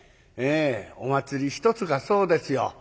お祭り一つがそうですよ。